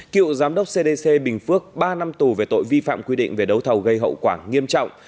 cựu giám đốc cdc bình phước ba năm tù về tội vi phạm quy định về đấu thầu gây hậu quả nghiêm trọng